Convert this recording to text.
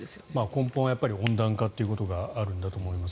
根本は温暖化ということがあるんだと思います。